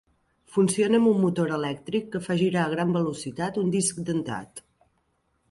Funciona amb un motor elèctric que fa girar a gran velocitat un disc dentat.